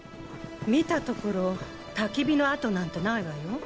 見たところたき火の跡なんてないわよ。